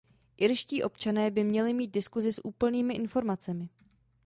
Irští občané by měli mít diskusi s úplnými informacemi.